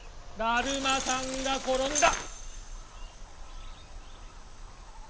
だるまさんがころんだ！